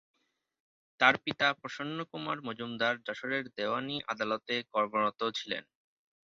তার পিতা প্রসন্নকুমার মজুমদার যশোরের দেওয়ানি আদালতে কর্মরত ছিলেন।